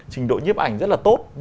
trình độ nhiếp ảnh rất là tốt